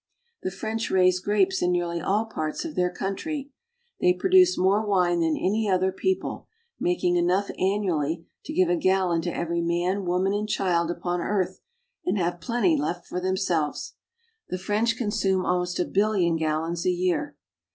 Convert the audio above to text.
The French raise grapes in nearly all parts of their country. They produce more wine than any other people, making enough annually to give a gallon to every man, woman, and child upon earth, and have plenty left for themselves. The French consume almost a billion gallons a year.